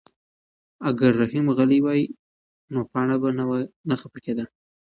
اگر رحیم غلی وای نو پاڼه به نه خفه کېده.